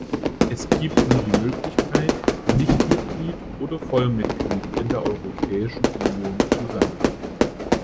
Es gibt nur die Möglichkeit, Nichtmitglied oder Vollmitglied in der Europäischen Union zu sein.